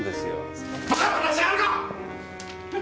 そんなバカな話あるか！！